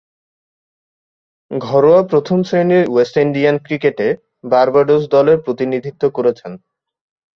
ঘরোয়া প্রথম-শ্রেণীর West Indian ক্রিকেটে বার্বাডোস দলের প্রতিনিধিত্ব করছেন।